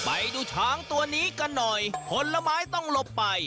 ไปดูช้างตัวนี้กันหน่อยผลไม้ต้องหลบไป